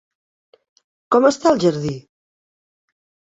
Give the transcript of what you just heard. Com està el jardí?